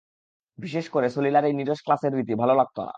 বিশেষ করে সলিলার এই নীরস ক্লাসের রীতি ভালো লাগত না।